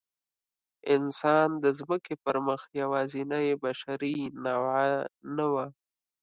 انسان د ځمکې پر مخ یواځینۍ بشري نوعه نه وه.